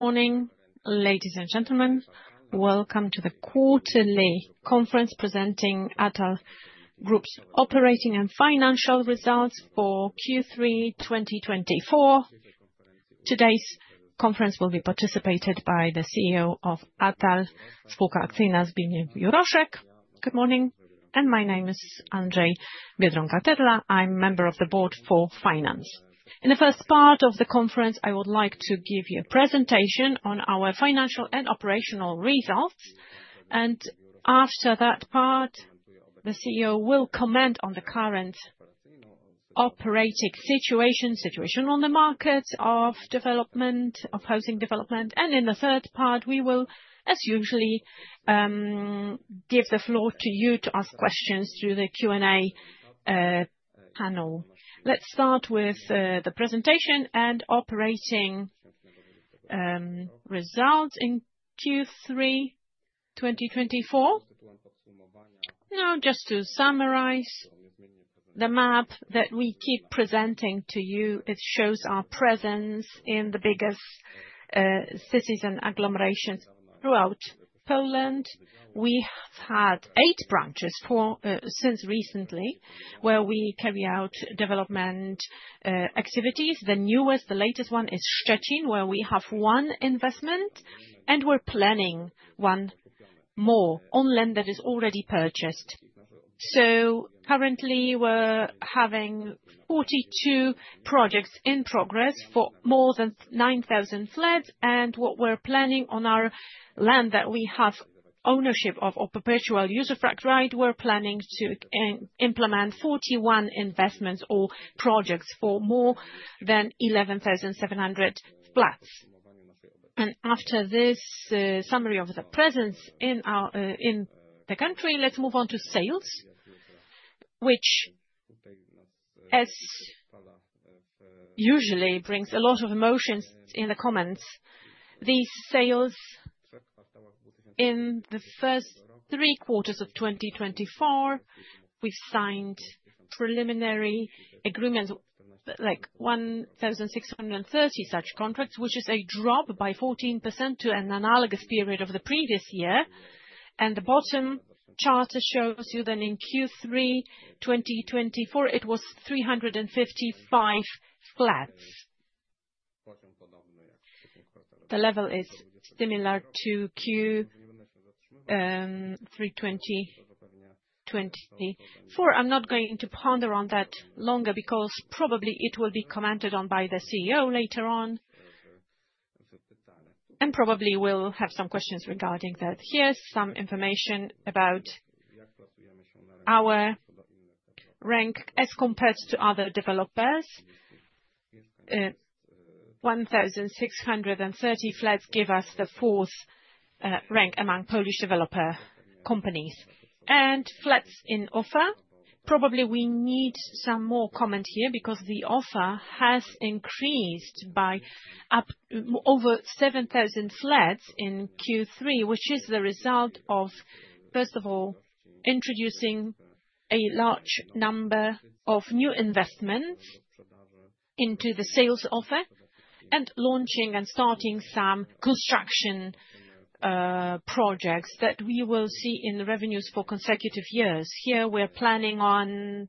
Morning, ladies and gentlemen. Welcome to the quarterly conference presenting Atal S.A.'s operating and financial results for Q3 2024. Today's conference will be participated by the CEO of Atal S.A. Good morning, and my name is Andrzej Biedronka-Tetla. I'm a member of the board for finance. In the first part of the conference, I would like to give you a presentation on our financial and operational results, and after that part, the CEO will comment on the current operating situation, situation on the market of development, of housing development, and in the third part, we will, as usual, give the floor to you to ask questions through the Q&A panel. Let's start with the presentation and operating results in Q3 2024. Now, just to summarize, the map that we keep presenting to you, it shows our presence in the biggest cities and agglomerations throughout Poland. We have had eight branches since recently where we carry out development activities. The newest, the latest one is Szczecin, where we have one investment, and we're planning one more on land that is already purchased, so currently, we're having 42 projects in progress for more than 9,000 flats, and what we're planning on our land that we have ownership of or perpetual usufruct right, we're planning to implement 41 investments or projects for more than 11,700 flats, and after this summary of the presence in the country, let's move on to sales, which, as usual, brings a lot of emotions in the comments. These sales, in the first three quarters of 2024, we've signed preliminary agreements, like 1,630 such contracts, which is a drop by 14% to an analogous period of the previous year, and the bottom chart shows you that in Q3 2024, it was 355 flats. The level is similar to Q3 2024. I'm not going to ponder on that longer because probably it will be commented on by the CEO later on, and probably we'll have some questions regarding that. Here's some information about our rank as compared to other developers. 1,630 flats give us the fourth rank among Polish developer companies. And flats in offer, probably we need some more comment here because the offer has increased by over 7,000 flats in Q3, which is the result of, first of all, introducing a large number of new investments into the sales offer and launching and starting some construction projects that we will see in the revenues for consecutive years. Here we're planning on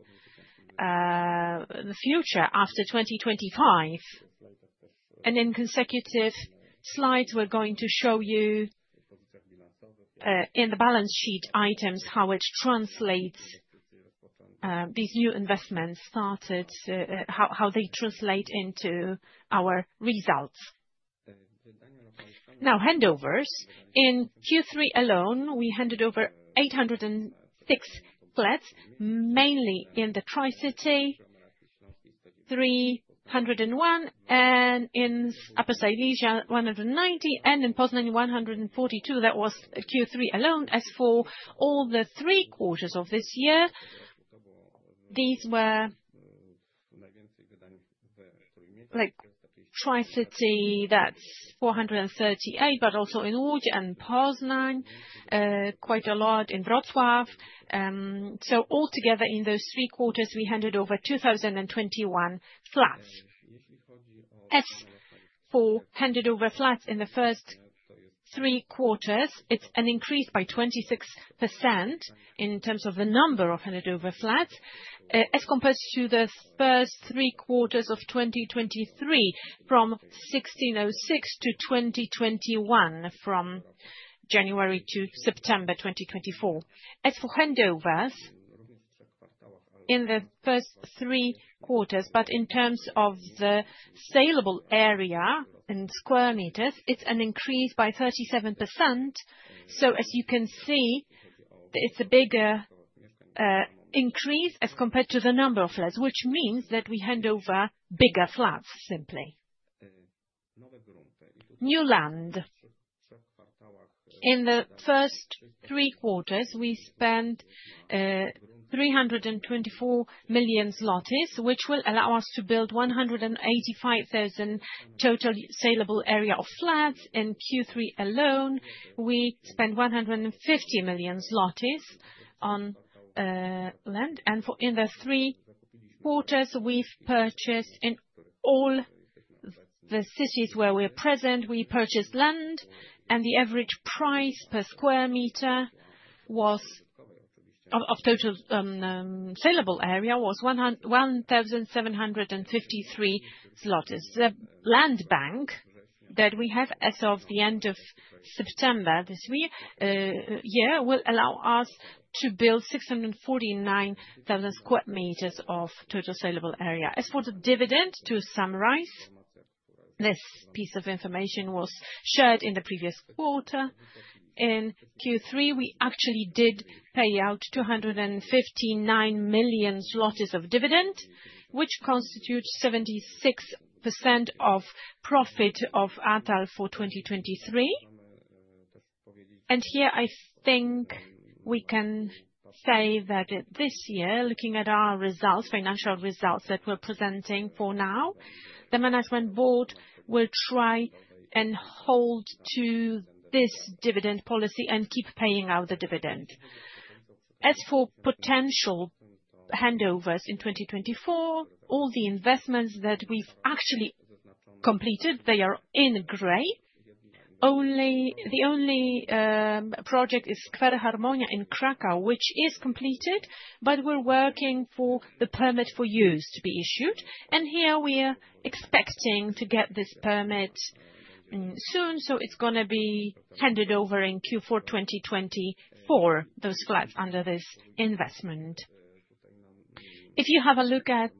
the future after 2025. And in consecutive slides, we're going to show you in the balance sheet items how it translates these new investments started, how they translate into our results. Now, handovers. In Q3 alone, we handed over 806 flats, mainly in the Tri-City, 301, and in Upper Silesia, 190, and in Poznań, 142. That was Q3 alone. As for all the three quarters of this year, these were Tri-City, that's 438, but also in Łódź and Poznań, quite a lot in Wrocław. So altogether in those three quarters, we handed over 2,021 flats. As for handed over flats in the first three quarters, it's an increase by 26% in terms of the number of handed over flats as compared to the first three quarters of 2023, from 1,606-2,021, from January to September 2024. As for handovers in the first three quarters, but in terms of the saleable area in square meters, it's an increase by 37%. So as you can see, it's a bigger increase as compared to the number of flats, which means that we hand over bigger flats, simply. New land. In the first three quarters, we spent 324 million zlotys, which will allow us to build 185,000 total saleable area of flats. In Q3 alone, we spent 150 million zlotys on land. And in the three quarters, we've purchased in all the cities where we're present, we purchased land, and the average price per square meter of total saleable area was 1,753. The land bank that we have as of the end of September this year will allow us to build 649,000 square meters of total saleable area. As for the dividend, to summarize, this piece of information was shared in the previous quarter. In Q3, we actually did pay out 259 million zlotys of dividend, which constitutes 76% of profit of Atal for 2023, and here, I think we can say that this year, looking at our results, financial results that we're presenting for now, the management board will try and hold to this dividend policy and keep paying out the dividend. As for potential handovers in 2024, all the investments that we've actually completed, they are in gray. The only project is Skwer Harmonia in Kraków, which is completed, but we're working for the permit for use to be issued, and here, we're expecting to get this permit soon, so it's going to be handed over in Q4 2024, those flats under this investment. If you have a look at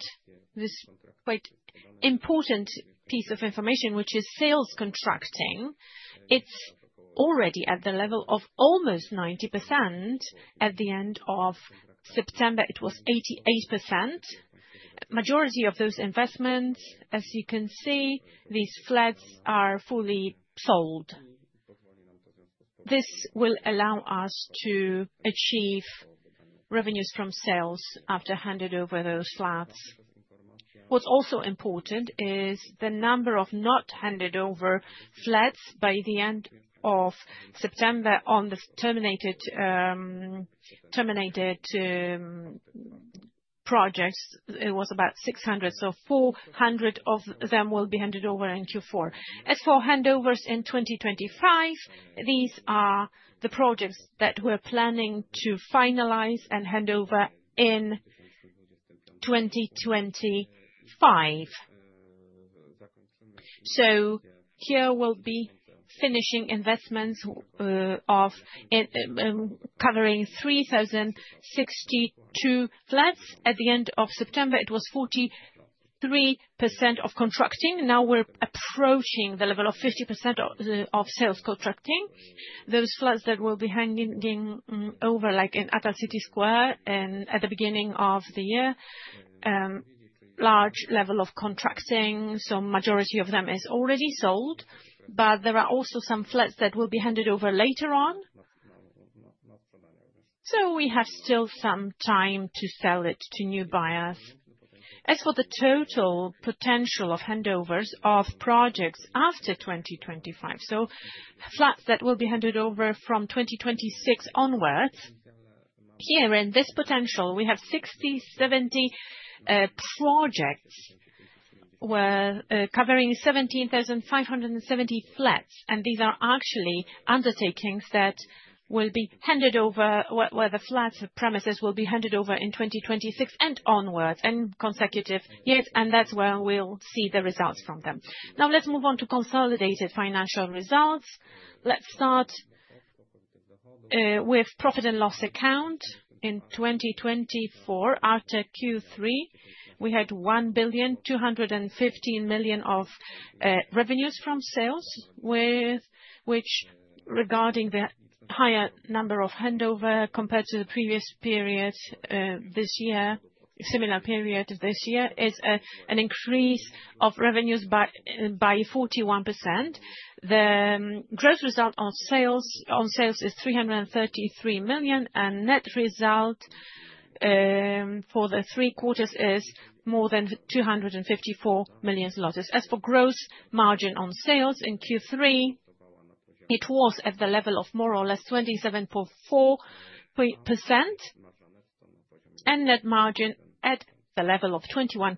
this quite important piece of information, which is sales contracting, it's already at the level of almost 90%. At the end of September, it was 88%. Majority of those investments, as you can see, these flats are fully sold. This will allow us to achieve revenues from sales after handed over those flats. What's also important is the number of not handed over flats by the end of September on the terminated projects. It was about 600, so 400 of them will be handed over in Q4. As for handovers in 2025, these are the projects that we're planning to finalize and hand over in 2025. So here will be finishing investments of covering 3,062 flats at the end of September. It was 43% of contracting. Now we're approaching the level of 50% of sales contracting. Those flats that will be handing over, like in Atal City Square at the beginning of the year, large level of contracting, so majority of them is already sold, but there are also some flats that will be handed over later on. So we have still some time to sell it to new buyers. As for the total potential of handovers of projects after 2025, so flats that will be handed over from 2026 onwards, here in this potential, we have 60-70 projects covering 17,570 flats, and these are actually undertakings that will be handed over, where the flats or premises will be handed over in 2026 and onwards and consecutive years, and that's where we'll see the results from them. Now let's move on to consolidated financial results. Let's start with profit and loss account. In 2024, after Q3, we had 1,215 million PLN of revenues from sales, which regarding the higher number of handover compared to the previous period this year, similar period this year, is an increase of revenues by 41%. The gross result on sales is 333 million PLN, and net result for the three quarters is more than 254 million PLN. As for gross margin on sales in Q3, it was at the level of more or less 27.4%, and net margin at the level of 21%.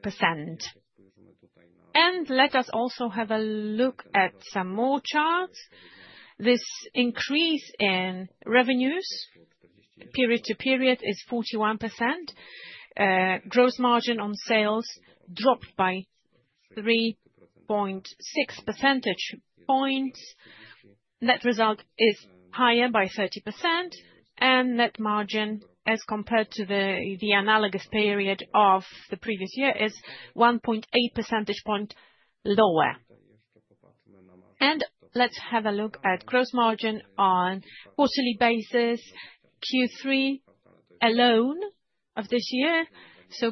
And let us also have a look at some more charts. This increase in revenues period to period is 41%. Gross margin on sales dropped by 3.6 percentage points. Net result is higher by 30%, and net margin as compared to the analogous period of the previous year is 1.8 percentage point lower. Let's have a look at gross margin on quarterly basis Q3 alone of this year.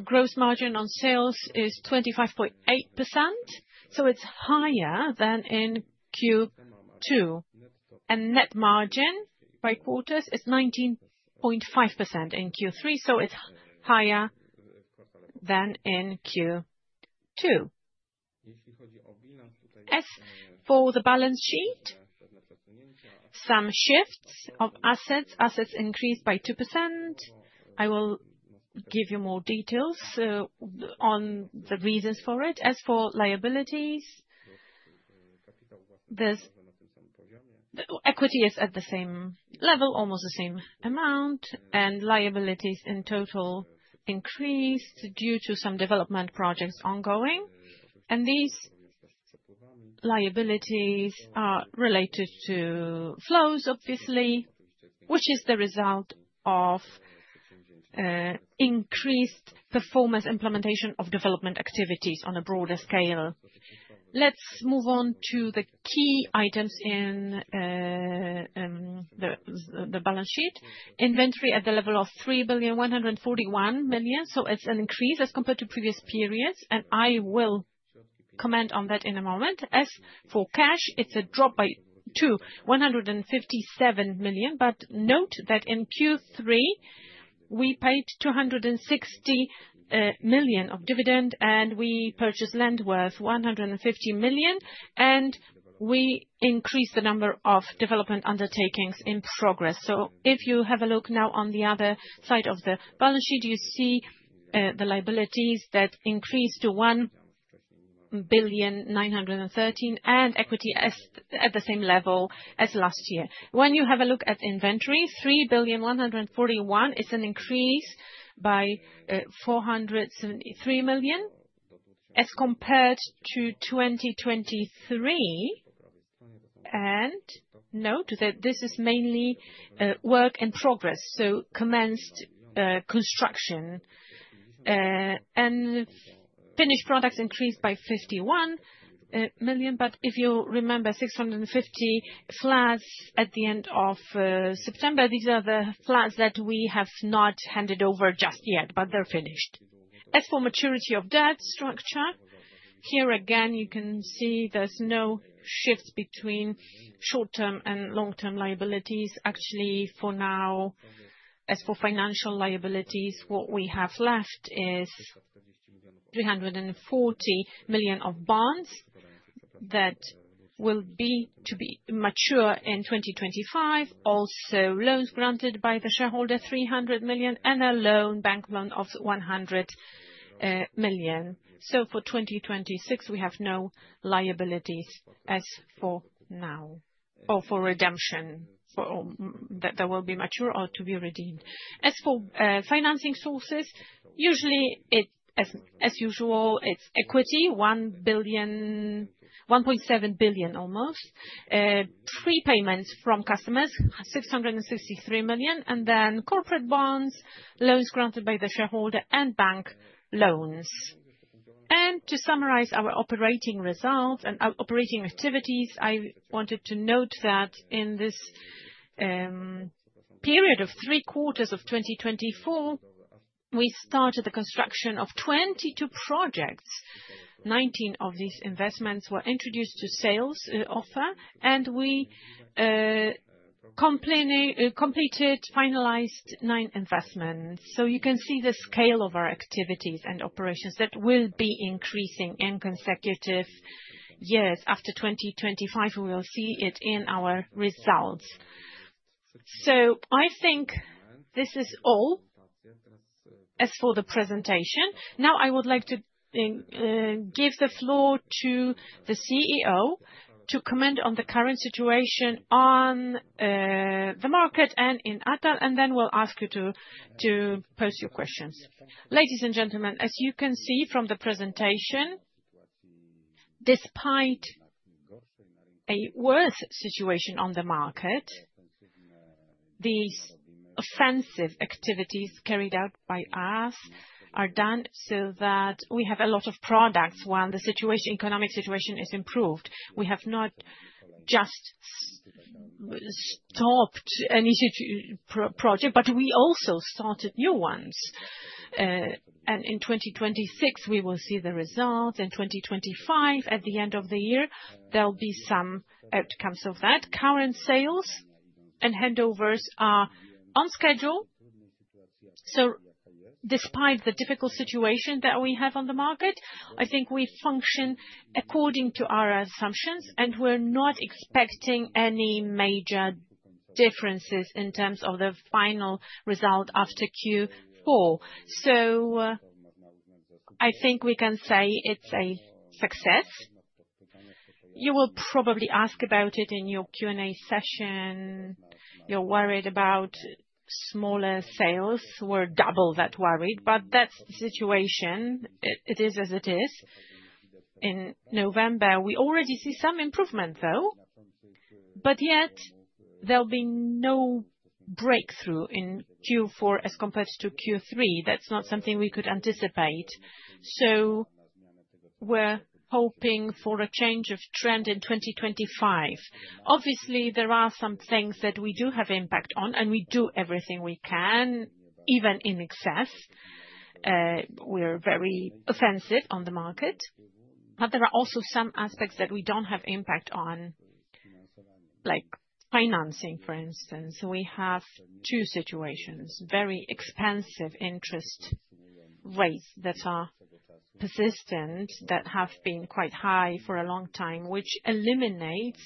Gross margin on sales is 25.8%, so it's higher than in Q2, and net margin by quarters is 19.5% in Q3, so it's higher than in Q2. As for the balance sheet, some shifts of assets, assets increased by 2%. I will give you more details on the reasons for it. As for liabilities, equity is at the same level, almost the same amount, and liabilities in total increased due to some development projects ongoing. These liabilities are related to flows, obviously, which is the result of increased performance implementation of development activities on a broader scale. Let's move on to the key items in the balance sheet. Inventory at the level of 3,141 million, so it's an increase as compared to previous periods, and I will comment on that in a moment. As for cash, it's a drop by 2,157 million, but note that in Q3, we paid 260 million of dividend, and we purchased land worth 150 million, and we increased the number of development undertakings in progress. So if you have a look now on the other side of the balance sheet, you see the liabilities that increased to 1,913, and equity at the same level as last year. When you have a look at inventory, 3,141 million is an increase by 473 million as compared to 2023. And note that this is mainly work in progress, so commenced construction, and finished products increased by 51 million. But if you remember, 650 flats at the end of September. These are the flats that we have not handed over just yet, but they're finished. As for maturity of debt structure, here again, you can see there's no shift between short-term and long-term liabilities. Actually, for now, as for financial liabilities, what we have left is 340 million of bonds that will be to be mature in 2025, also loans granted by the shareholder, 300 million, and a loan, bank loan of 100 million. So for 2026, we have no liabilities as for now, or for redemption, that will be mature or to be redeemed. As for financing sources, usually, as usual, it's equity, almost 1.7 billion, prepayments from customers, 663 million, and then corporate bonds, loans granted by the shareholder, and bank loans. To summarize our operating results and operating activities, I wanted to note that in this period of three quarters of 2024, we started the construction of 22 projects. 19 of these investments were introduced to sales offer, and we completed, finalized nine investments. You can see the scale of our activities and operations that will be increasing in consecutive years. After 2025, we will see it in our results. I think this is all as for the presentation. Now I would like to give the floor to the CEO to comment on the current situation on the market and in Atal, and then we'll ask you to post your questions. Ladies and gentlemen, as you can see from the presentation, despite a worse situation on the market, these offensive activities carried out by us are done so that we have a lot of products while the economic situation is improved. We have not just stopped any project, but we also started new ones. And in 2026, we will see the results. In 2025, at the end of the year, there'll be some outcomes of that. Current sales and handovers are on schedule. So despite the difficult situation that we have on the market, I think we function according to our assumptions, and we're not expecting any major differences in terms of the final result after Q4. So I think we can say it's a success. You will probably ask about it in your Q&A session. You're worried about smaller sales. We're double that worried, but that's the situation. It is as it is. In November, we already see some improvement, though, but yet there'll be no breakthrough in Q4 as compared to Q3. That's not something we could anticipate. So we're hoping for a change of trend in 2025. Obviously, there are some things that we do have impact on, and we do everything we can, even in excess. We're very offensive on the market, but there are also some aspects that we don't have impact on, like financing, for instance. So we have two situations: very expensive interest rates that are persistent, that have been quite high for a long time, which eliminates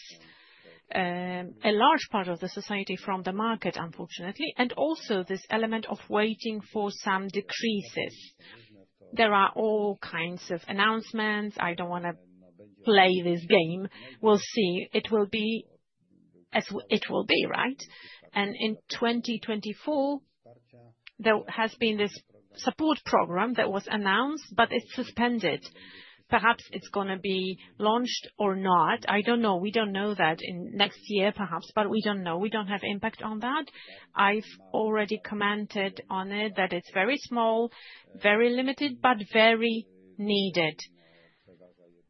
a large part of the society from the market, unfortunately, and also this element of waiting for some decreases. There are all kinds of announcements. I don't want to play this game. We'll see. It will be as it will be, right? In 2024, there has been this support program that was announced, but it's suspended. Perhaps it's going to be launched or not. I don't know. We don't know that in next year, perhaps, but we don't know. We don't have impact on that. I've already commented on it that it's very small, very limited, but very needed.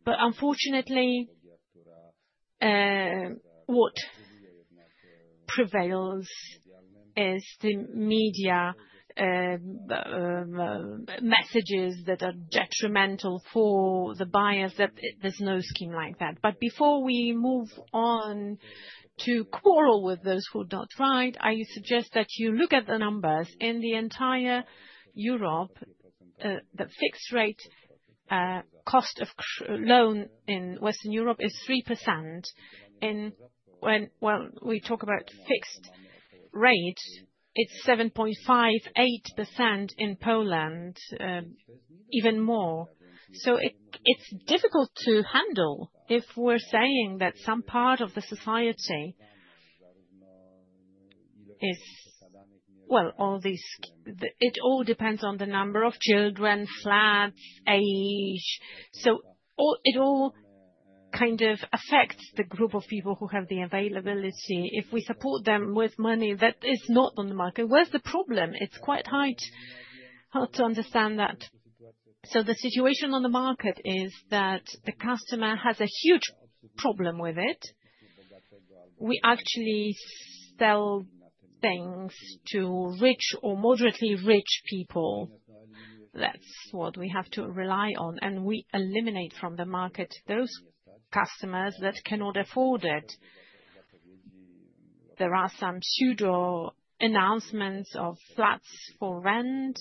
Unfortunately, what prevails is the media messages that are detrimental for the buyers, that there's no scheme like that. Before we move on to quarrel with those who are not right, I suggest that you look at the numbers in the entire Europe. The fixed rate cost of loan in Western Europe is 3%. When we talk about fixed rates, it's 7.58% in Poland, even more. It's difficult to handle if we're saying that some part of the society is, well, all these. It all depends on the number of children, flats, age. It all kind of affects the group of people who have the availability. If we support them with money that is not on the market, where's the problem? It's quite hard to understand that. The situation on the market is that the customer has a huge problem with it. We actually sell things to rich or moderately rich people. That's what we have to rely on, and we eliminate from the market those customers that cannot afford it. There are some pseudo announcements of flats for rent.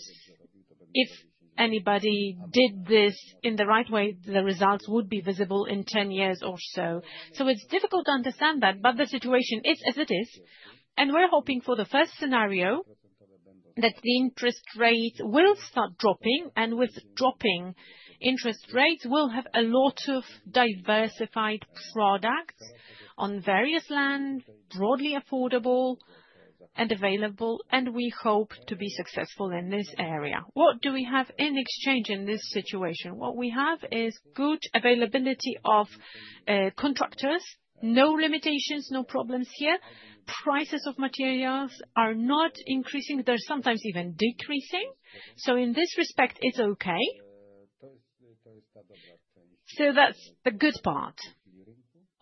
If anybody did this in the right way, the results would be visible in 10 years or so. It's difficult to understand that, but the situation is as it is. And we're hoping for the first scenario that the interest rate will start dropping, and with dropping interest rates, we'll have a lot of diversified products on various land, broadly affordable and available, and we hope to be successful in this area. What do we have in exchange in this situation? What we have is good availability of contractors, no limitations, no problems here. Prices of materials are not increasing. They're sometimes even decreasing. So in this respect, it's okay. So that's the good part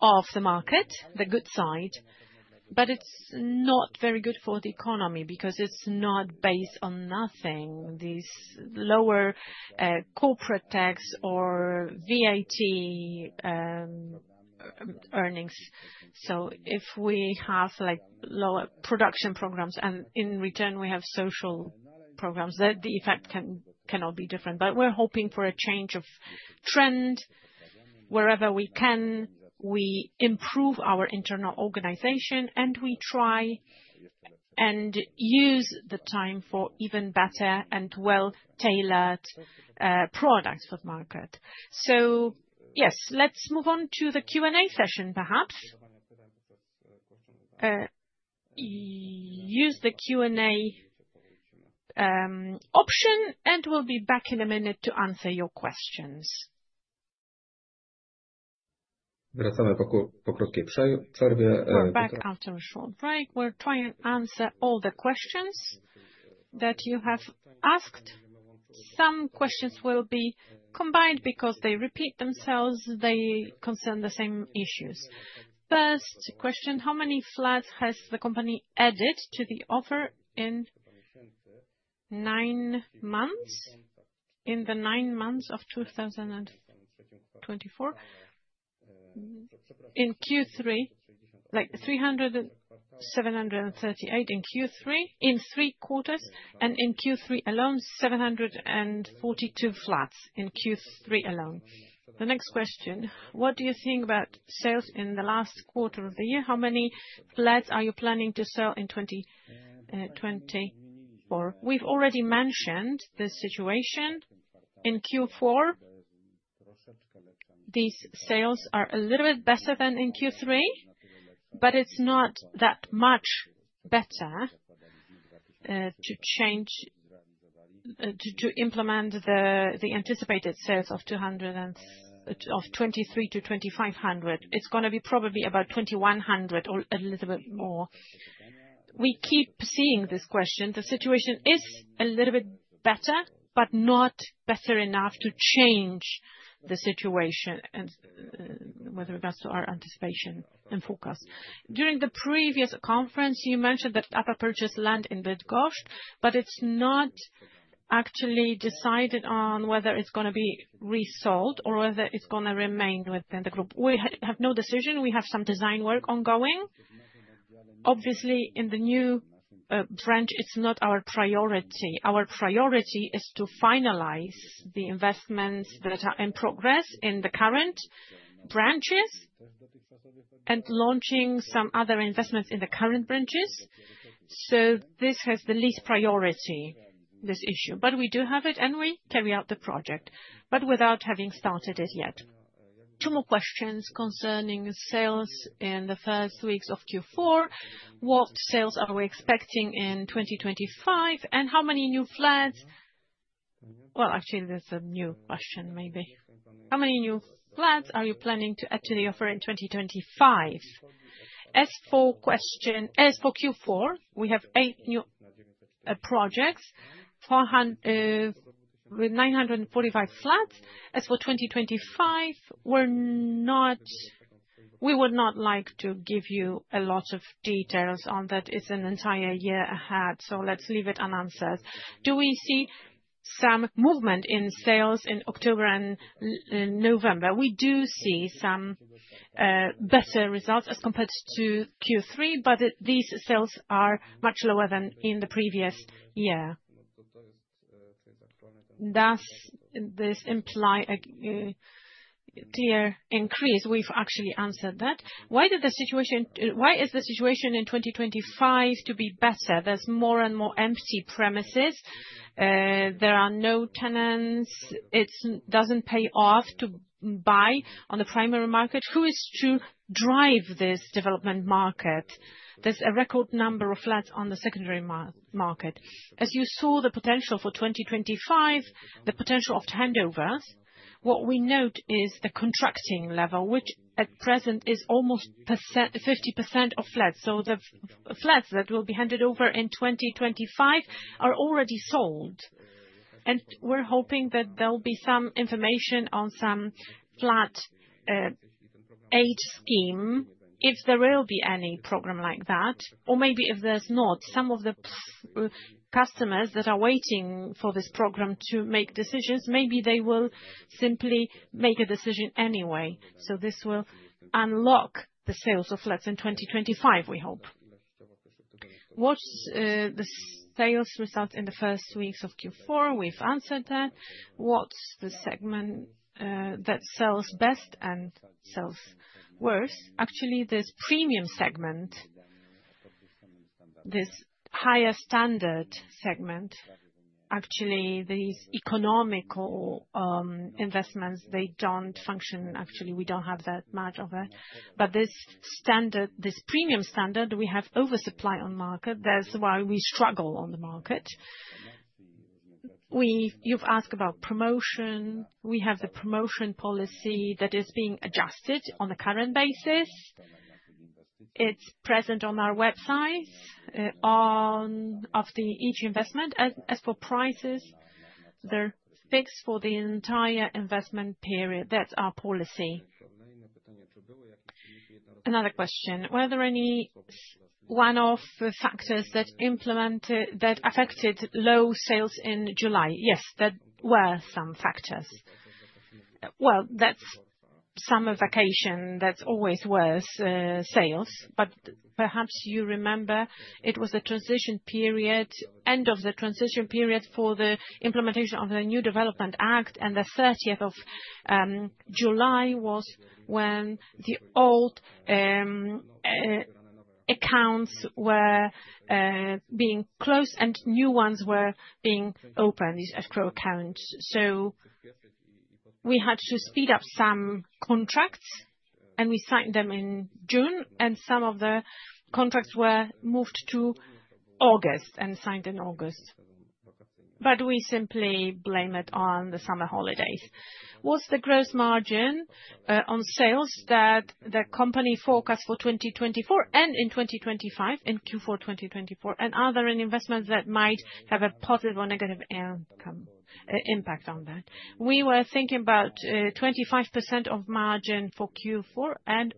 of the market, the good side, but it's not very good for the economy because it's not based on nothing, these lower corporate tax or VAT earnings. So if we have lower production programs and in return, we have social programs, the effect cannot be different. But we're hoping for a change of trend. Wherever we can, we improve our internal organization, and we try and use the time for even better and well-tailored products for the market. So yes, let's move on to the Q&A session, perhaps. Use the Q&A option, and we'll be back in a minute to answer your questions. We're back after a short break. We're trying to answer all the questions that you have asked. Some questions will be combined because they repeat themselves. They concern the same issues. First question: How many flats has the company added to the offer in nine months? In the nine months of 2024, in Q3, like 3,738 in Q3, in three quarters, and in Q3 alone, 742 flats in Q3 alone. The next question: What do you think about sales in the last quarter of the year? How many flats are you planning to sell in 2024? We've already mentioned the situation in Q4. These sales are a little bit better than in Q3, but it's not that much better to implement the anticipated sales of 2,300-2,500. It's going to be probably about 2,100 or a little bit more. We keep seeing this question. The situation is a little bit better, but not better enough to change the situation with regards to our anticipation and forecast. During the previous conference, you mentioned that Atal purchased land in Bydgoszcz, but it's not actually decided on whether it's going to be resold or whether it's going to remain within the group. We have no decision. We have some design work ongoing. Obviously, in the new branch, it's not our priority. Our priority is to finalize the investments that are in progress in the current branches and launching some other investments in the current branches. This has the least priority, this issue, but we do have it, and we carry out the project, but without having started it yet. Two more questions concerning sales in the first weeks of Q4. What sales are we expecting in 2025? And how many new flats? Well, actually, that's a new question, maybe. How many new flats are you planning to add to the offer in 2025? As for Q4, we have eight new projects, with 945 flats. As for 2025, we would not like to give you a lot of details on that. It's an entire year ahead, so let's leave it unanswered. Do we see some movement in sales in October and November? We do see some better results as compared to Q3, but these sales are much lower than in the previous year. Does this imply a clear increase? We've actually answered that. Why is the situation in 2025 to be better? There's more and more empty premises. There are no tenants. It doesn't pay off to buy on the primary market. Who is to drive this development market? There's a record number of flats on the secondary market. As you saw, the potential for 2025, the potential of handovers, what we note is the contracting level, which at present is almost 50% of flats, so the flats that will be handed over in 2025 are already sold, and we're hoping that there'll be some information on some flat aid scheme if there will be any program like that, or maybe if there's not, some of the customers that are waiting for this program to make decisions, maybe they will simply make a decision anyway, so this will unlock the sales of flats in 2025, we hope. What's the sales result in the first weeks of Q4? We've answered that. What's the segment that sells best and sells worst? Actually, this premium segment, this higher standard segment, actually, these economical investments, they don't function. Actually, we don't have that much of it. But this premium standard, we have oversupply on the market. That's why we struggle on the market. You've asked about promotion. We have the promotion policy that is being adjusted on a current basis. It's present on our websites of each investment. As for prices, they're fixed for the entire investment period. That's our policy. Another question. Were there any one-off factors that affected low sales in July? Yes, there were some factors. Well, that's summer vacation. That's always worse sales. But perhaps you remember it was the transition period, end of the transition period for the implementation of the new Development Act, and the 30th of July was when the old accounts were being closed and new ones were being opened, these escrow accounts. So we had to speed up some contracts, and we signed them in June, and some of the contracts were moved to August and signed in August. But we simply blame it on the summer holidays. What's the gross margin on sales that the company forecasts for 2024 and in 2025 in Q4 2024? And are there any investments that might have a positive or negative impact on that? We were thinking about 25% of margin for Q4 and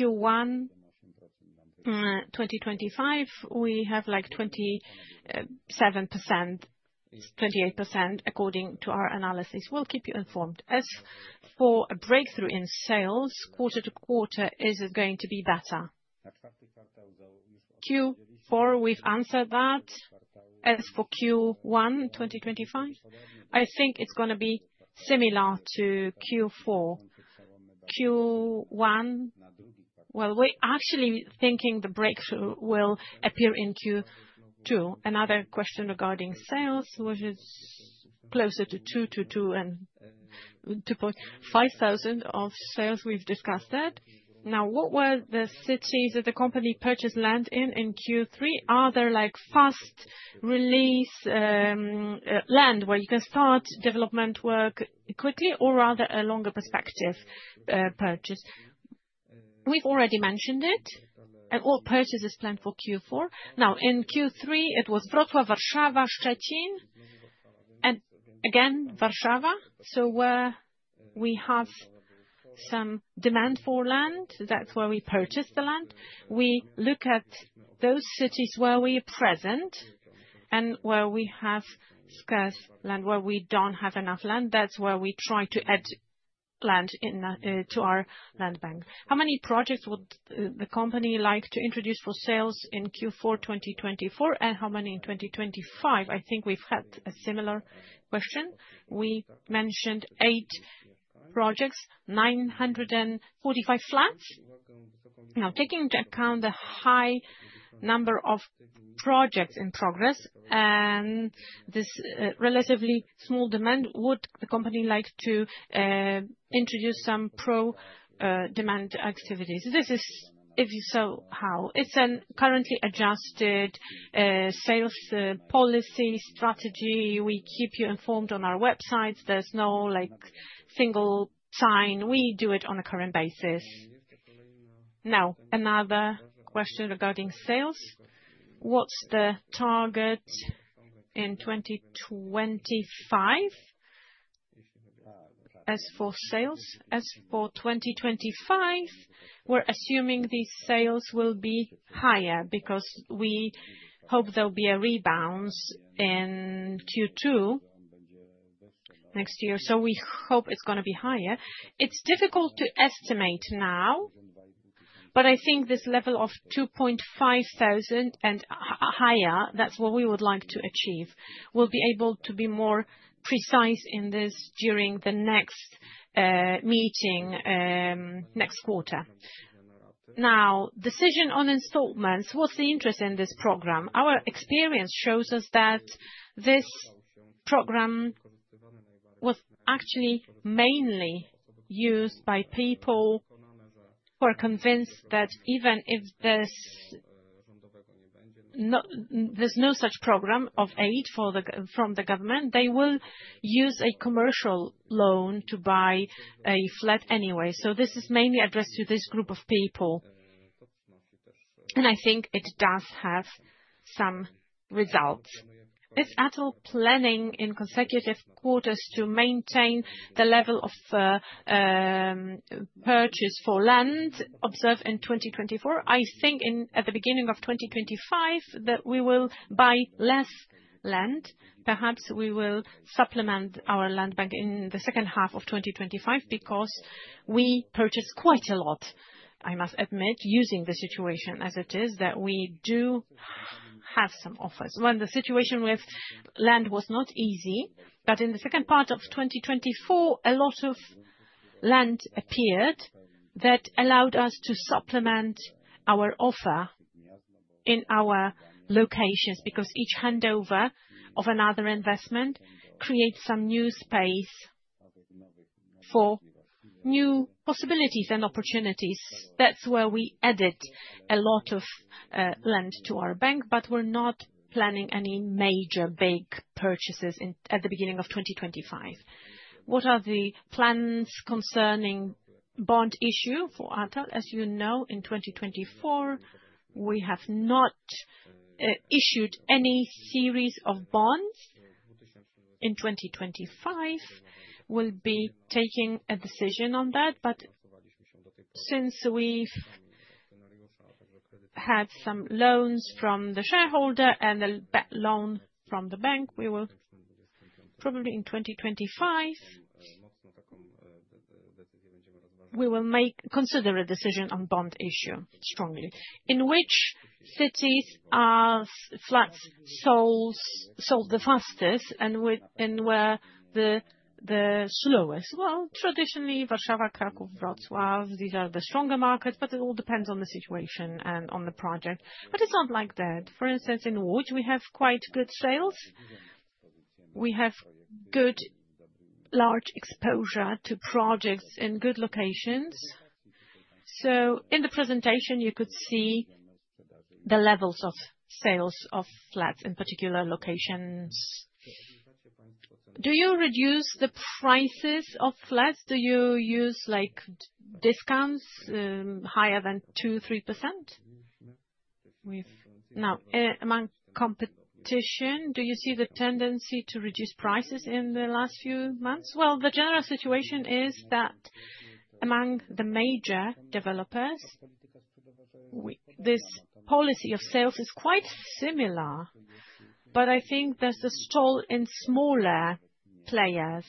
Q1 2025 we have like 27%, 28% according to our analysis. We'll keep you informed. As for a breakthrough in sales, quarter to quarter, is it going to be better? Q4, we've answered that. As for Q1 2025, I think it's going to be similar to Q4. Q1, well, we're actually thinking the breakthrough will appear in Q2. Another question regarding sales, which is closer to 2 to 2 and 2.5 thousand of sales, we've discussed that. Now, what were the cities that the company purchased land in in Q3? Are there like fast release land where you can start development work quickly or rather a longer perspective purchase? We've already mentioned it. What purchase is planned for Q4? Now, in Q3, it was Wrocław, Warszawa, Szczecin, and again, Warszawa. So where we have some demand for land, that's where we purchase the land. We look at those cities where we are present and where we have scarce land, where we don't have enough land. That's where we try to add land to our land bank. How many projects would the company like to introduce for sales in Q4 2024 and how many in 2025? I think we've had a similar question. We mentioned eight projects, 945 flats. Now, taking into account the high number of projects in progress and this relatively small demand, would the company like to introduce some pro-demand activities? This is, if you saw how it's a currently adjusted sales policy strategy. We keep you informed on our websites. There's no like single sign. We do it on a current basis. Now, another question regarding sales. What's the target in 2025? As for sales, as for 2025, we're assuming these sales will be higher because we hope there'll be a rebound in Q2 next year, so we hope it's going to be higher. It's difficult to estimate now, but I think this level of 2.5 thousand and higher, that's what we would like to achieve. We'll be able to be more precise in this during the next meeting next quarter. Now, decision on installments. What's the interest in this program? Our experience shows us that this program was actually mainly used by people who are convinced that even if there's no such program of aid from the government, they will use a commercial loan to buy a flat anyway. So this is mainly addressed to this group of people. And I think it does have some results. Is Atal planning in consecutive quarters to maintain the level of purchase for land observed in 2024? I think at the beginning of 2025 that we will buy less land. Perhaps we will supplement our land bank in the second half of 2025 because we purchase quite a lot, I must admit, using the situation as it is that we do have some offers. When the situation with land was not easy, but in the second part of 2024, a lot of land appeared that allowed us to supplement our offer in our locations because each handover of another investment creates some new space for new possibilities and opportunities. That's where we added a lot of land to our bank, but we're not planning any major big purchases at the beginning of 2025. What are the plans concerning bond issue for Atal? As you know, in 2024, we have not issued any series of bonds. In 2025, we'll be taking a decision on that, but since we've had some loans from the shareholder and a loan from the bank, we will probably in 2025 consider a decision on bond issue strongly. In which cities are flats sold the fastest and where the slowest? Well, traditionally, Warszawa, Kraków, Wrocław, these are the stronger markets, but it all depends on the situation and on the project. But it's not like that. For instance, in Łódź, we have quite good sales. We have good large exposure to projects in good locations. So in the presentation, you could see the levels of sales of flats in particular locations. Do you reduce the prices of flats? Do you use discounts higher than 2-3%? Now, among competition, do you see the tendency to reduce prices in the last few months? The general situation is that among the major developers, this policy of sales is quite similar, but I think there's a stall in smaller players,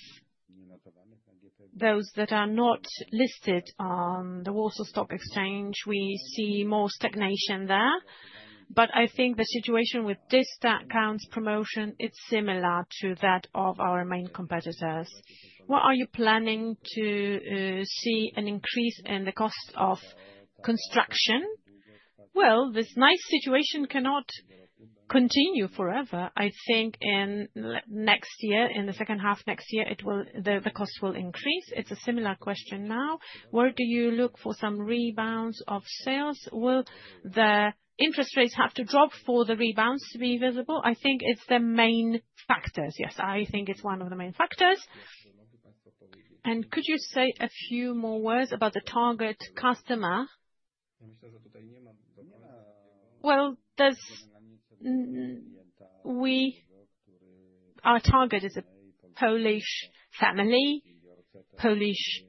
those that are not listed on the Warsaw Stock Exchange. We see more stagnation there. I think the situation with discounts, promotion, it's similar to that of our main competitors. What are you planning to see an increase in the cost of construction? This nice situation cannot continue forever. I think in next year, in the second half next year, the cost will increase. It's a similar question now. Where do you look for some rebounds of sales? Will the interest rates have to drop for the rebounds to be visible? I think it's the main factors. Yes, I think it's one of the main factors. Could you say a few more words about the target customer? Our target is a Polish family, Polish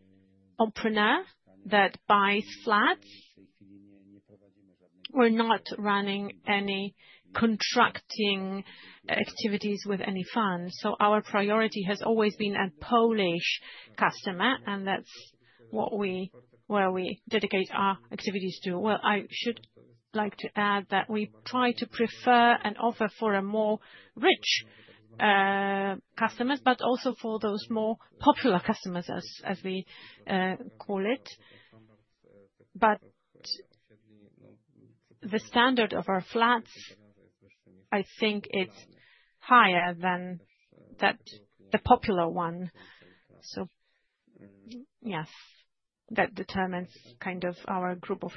entrepreneur that buys flats. We're not running any contracting activities with any funds. So our priority has always been a Polish customer, and that's where we dedicate our activities to. Well, I should like to add that we try to prefer an offer for more rich customers, but also for those more popular customers, as we call it. But the standard of our flats, I think it's higher than the popular one. So yes, that determines kind of our group of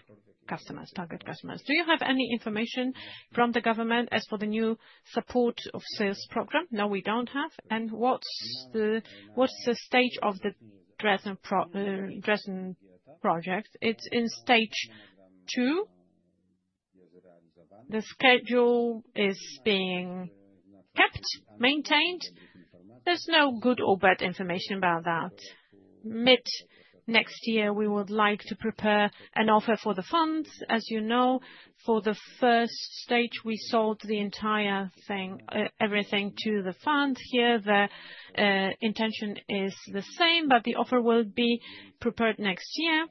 customers, target customers. Do you have any information from the government as for the new support of sales program? No, we don't have. And what's the stage of the Dresden project? It's in stage two. The schedule is being kept, maintained. There's no good or bad information about that. Mid next year, we would like to prepare an offer for the funds. As you know, for the first stage, we sold the entire thing, everything to the funds. Here, the intention is the same, but the offer will be prepared next year,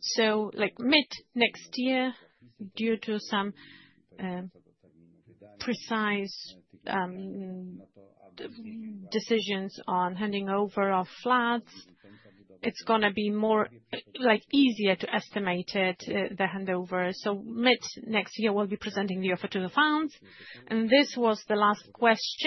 so like mid next year, due to some precise decisions on handing over of flats, it's going to be more easier to estimate the handover, so mid next year, we'll be presenting the offer to the funds, and this was the last question.